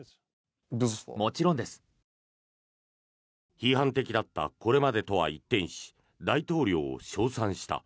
批判的だったこれまでとは一転し大統領を称賛した。